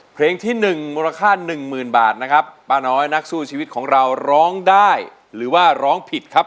เพลงที่หนึ่งมูลค่าหนึ่งหมื่นบาทนะครับป้าน้อยนักสู้ชีวิตของเราร้องได้หรือว่าร้องผิดครับ